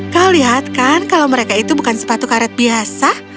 kau lihat kan kalau mereka itu bukan sepatu karet biasa